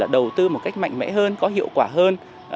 đầu tư một cách mạnh mẽ hơn có hiệu quả hơn